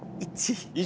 １。